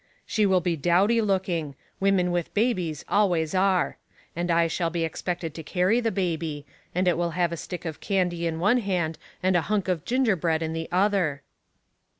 ''She will be dowdy looking; women with baules always art?. And I shall be expected to carry the baby, and it will have a stick of candy in one hand and a hunk of ginger bread in the other."